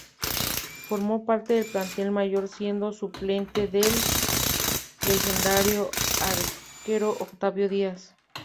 Formó parte del plantel mayor siendo suplente del legendario arquero Octavio Díaz.